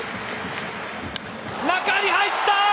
中に入った！